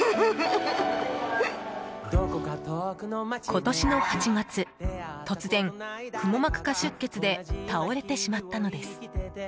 今年の８月、突然くも膜下出血で倒れてしまったのです。